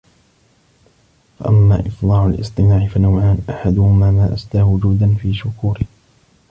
فَأَمَّا إفْضَالُ الِاصْطِنَاعِ فَنَوْعَانِ أَحَدُهُمَا مَا أَسَدَاهُ جُودًا فِي شَكُورٍ